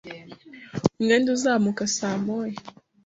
Umwenda uzamuka saa moya.